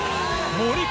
森川）